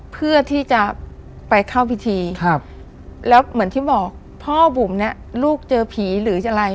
เพื่อที่จะไปเข้าพิธีครับแล้วเหมือนที่บอกพ่อบุ๋มเนี้ยลูกเจอผีหรืออะไร